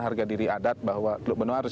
harga diri adat bahwa teluk benoa harus